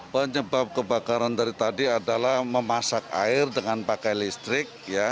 penyebab kebakaran dari tadi adalah memasak air dengan pakai listrik